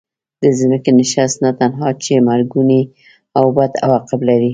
د ځمکې نشست نه تنها چې مرګوني او بد عواقب لري.